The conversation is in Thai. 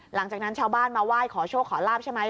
หลังจากนั้นชาวบ้านมาไหว้ขอโชคขอลาบใช่ไหม